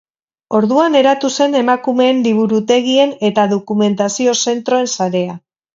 Orduan eratu zen Emakumeen liburutegien eta dokumentazio-zentroen sarea.